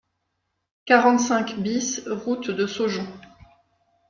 quarante-cinq BIS route de Saujon